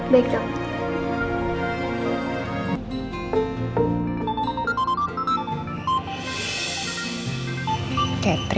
wadih kita masih persdi